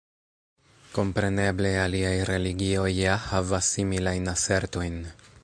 Kompreneble aliaj religioj ja havas similajn asertojn.